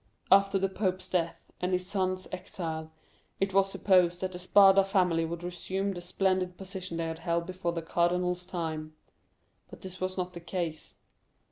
"After the pope's death and his son's exile, it was supposed that the Spada family would resume the splendid position they had held before the cardinal's time; but this was not the case.